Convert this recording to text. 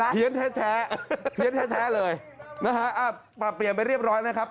เห็นไหมเปียนแท้เลยนะคะิกายเปรียนไปเรียบร้อยนะครับ